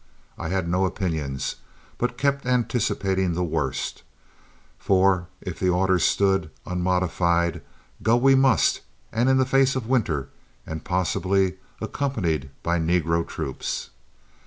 I had no opinions, but kept anticipating the worst; for if the order stood unmodified, go we must and in the face of winter and possibly accompanied by negro troops.